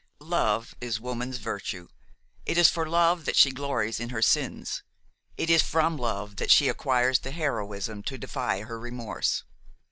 Love is woman's virtue; it is for love that she glories in her sins, it is from love that she acquires the heroism to defy her remorse.